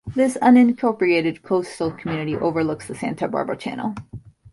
This unincorporated coastal community overlooks the Santa Barbara Channel.